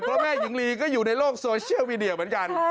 เพราะแม่หญิงลีก็อยู่ในโลกโซเชียลมีเดียเหมือนกัน